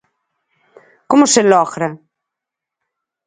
Como se logra?